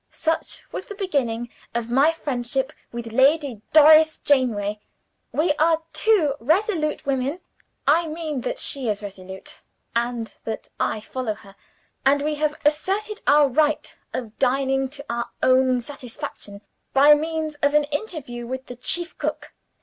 Such was the beginning of my friendship with Lady Doris Janeaway. "We are two resolute women I mean that she is resolute, and that I follow her and we have asserted our right of dining to our own satisfaction, by means of an interview with the chief cook.